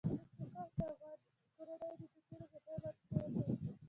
هندوکش د افغان کورنیو د دودونو مهم عنصر دی.